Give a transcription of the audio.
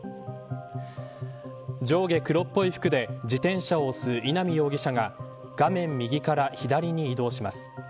上下黒っぽい服で自転車を押す稲見容疑者が画面右から左に移動します。